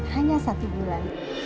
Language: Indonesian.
hanya satu bulan